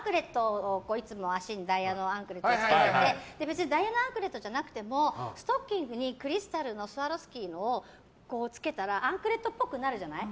私、ダイヤのアンクレットをいつもつけててダイヤのアンクレットじゃなくてもストッキングにクリスタルのスワロフスキーをつけたらアンクレットっぽくなるじゃない。